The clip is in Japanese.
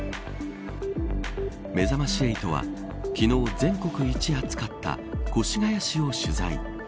めざまし８は昨日、全国一暑かった越谷市を取材。